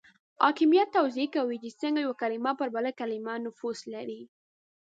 حاکمیت توضیح کوي چې څنګه یو کلمه پر بل کلمه نفوذ لري.